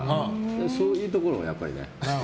そういうところがやっぱりね。